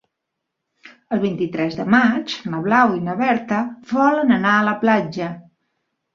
El vint-i-tres de maig na Blau i na Berta volen anar a la platja.